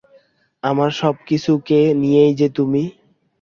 আমার সব কিছুকে নিয়েই যে তুমি।